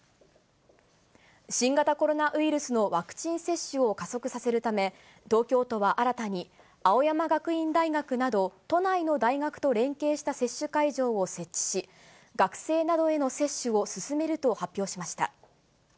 新型コロナウイルスのワクチン接種を加速させるため、東京都は新たに、青山学院大学など、都内の大学と連携した接種会場を設置し、学生などへの接種を進めると発表しました。